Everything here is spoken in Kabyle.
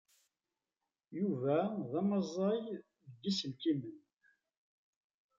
Yuba d amazzay deg yiselkimen.